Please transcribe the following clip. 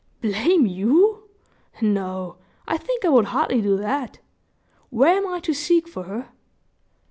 "Blame you! No, I think I would hardly do that. Where am I to seek for her?"